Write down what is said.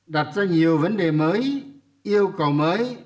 đặt ra nhiều vấn đề mới yêu cầu mới